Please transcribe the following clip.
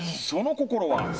その心は？